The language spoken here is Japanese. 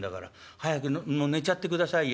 早くもう寝ちゃってくださいよ」。